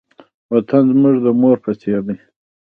وطن زموږ د مور په څېر دی.